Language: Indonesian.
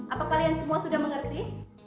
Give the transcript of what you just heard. apa kalian semua sudah mengerti